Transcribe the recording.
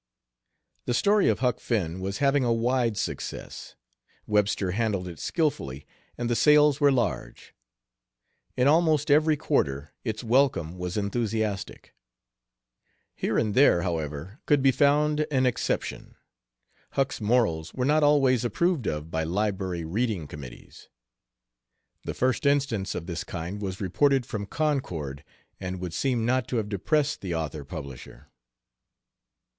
The story of Huck Finn was having a wide success. Webster handled it skillfully, and the sales were large. In almost every quarter its welcome was enthusiastic. Here and there, however, could be found an exception; Huck's morals were not always approved of by library reading committees. The first instance of this kind was reported from Concord; and would seem not to have depressed the author publisher.